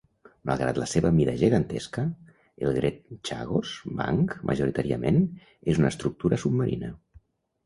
Malgrat la seva mida gegantesca, el Great Chagos Bank majoritàriament és una estructura submarina.